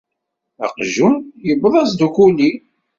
Aqjun, yewweḍ-as-d ukuli!